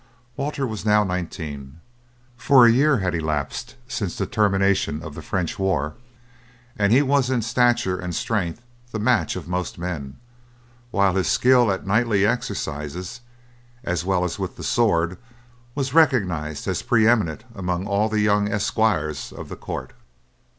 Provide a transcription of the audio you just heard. Walter was now nineteen, for a year had elapsed since the termination of the French war, and he was in stature and strength the match of most men, while his skill at knightly exercises, as well as with the sword, was recognized as pre eminent among all the young esquires of the court.